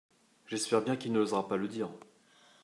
J’espère bien qu’il n’osera pas le dire.